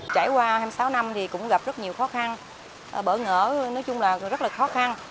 trải qua hai mươi sáu năm thì cũng gặp rất nhiều khó khăn bỡ ngỡ nói chung là rất là khó khăn